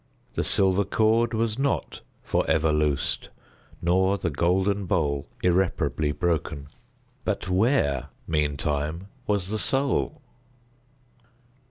The silver cord was not for ever loosed, nor the golden bowl irreparably broken. But where, meantime, was the soul?